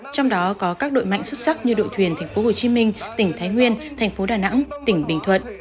trong đó có các đội mạnh xuất sắc như đội thuyền thành phố hồ chí minh tỉnh thái nguyên thành phố đà nẵng tỉnh bình thuận